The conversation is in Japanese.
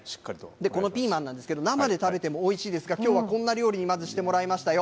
このピーマンなんですけど生で食べてもおいしいですがきょうはこんな料理にまず、してもらいましたよ。